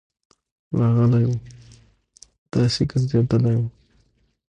راغلی وو، داسي ګرځيدلی وو: